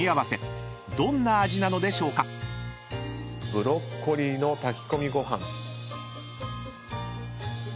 ブロッコリーの炊き込みご飯。